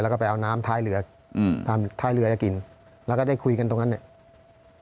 แล้วก็ไปเอาน้ำท้ายเรืออืมตามท้ายเรือจะกินแล้วก็ได้คุยกันตรงนั้นเนี่ย